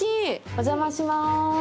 お邪魔します。